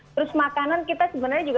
terus makanan kita sebenarnya juga